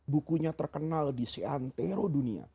bukunya terkenal di seantero dunia